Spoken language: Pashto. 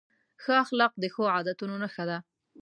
ښه اخلاق د ښو عادتونو نښه ده.